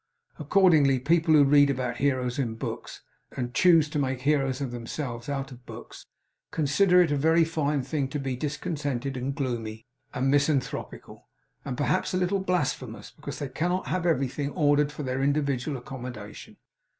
Accordingly, people who read about heroes in books, and choose to make heroes of themselves out of books, consider it a very fine thing to be discontented and gloomy, and misanthropical, and perhaps a little blasphemous, because they cannot have everything ordered for their individual accommodation.